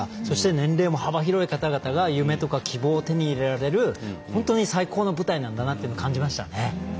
そして、年齢も幅広い方々が夢や希望を手に入れる本当に最高の舞台なんだなというのを感じましたね。